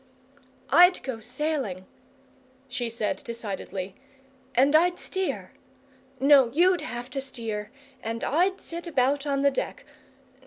"I'd go sailing," she said decidedly: "and I'd steer. No, YOU'D have to steer, and I'd sit about on the deck.